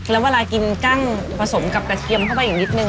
แล้วเวลากินกั้งผสมกับกระเทียมเข้าไปอีกนิดนึง